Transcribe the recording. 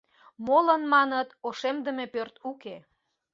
Молын, маныт, ошемдыме пӧрт уке.